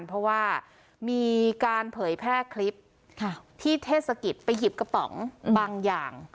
เพราะว่ามีการเผยแพร่คลิปที่เทศกิจไปหยิบกระป๋องบางอย่าง